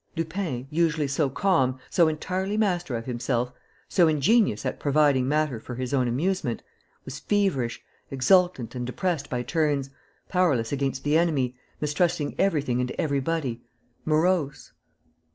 ... Lupin, usually so calm, so entirely master of himself, so ingenious at providing matter for his own amusement, was feverish, exultant and depressed by turns, powerless against the enemy, mistrusting everything and everybody, morose.